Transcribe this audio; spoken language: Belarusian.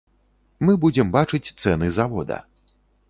Мы будзем бачыць цэны завода.